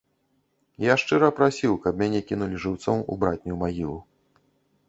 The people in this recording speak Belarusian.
Я шчыра прасіў, каб мяне кінулі жыўцом у братнюю магілу.